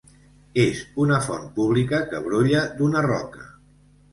És una font pública que brolla d'una roca.